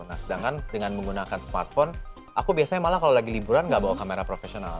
nah sedangkan dengan menggunakan smartphone aku biasanya malah kalau lagi liburan nggak bawa kamera profesional